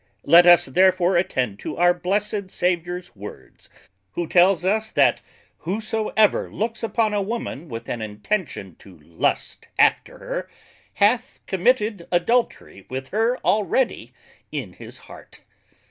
Let us therefore attend to our blessed Saviours words, who tells us, That whosoever looks upon a woman with an intention to lust after her, hath committed adultery with her already in his heart.